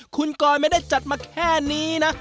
คุณกอยไม่ได้จัดมาแค่นี้นะ